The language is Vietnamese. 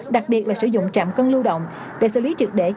đặc biệt là sử dụng trạm cân lưu động để xử lý trực để